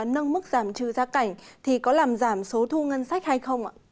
nâng mức giảm trừ gia cảnh thì có làm giảm số thu ngân sách hay không ạ